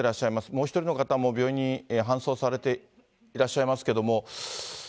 もう１人の方も病院に搬送されていらっしゃいますけれども。